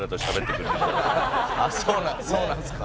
「ああそうなんですか」